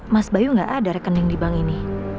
mas bayu nggak ada rekening di bank ini